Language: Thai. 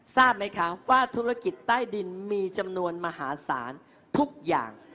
ทราบไหมคะว่าธุรกิจใต้ดินมีจำนวนมหาศาลทุกอย่าง